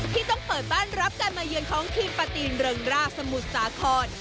ที่ต้องเปิดบ้านรับการมาเยือนของทีมปาตีนเริงร่าสมุทรสาคร